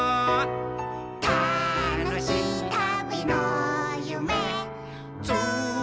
「たのしいたびのゆめつないでる」